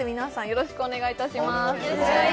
よろしくお願いします